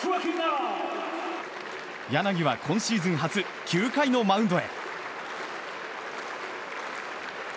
柳は今シーズン初９回のマウンドへ。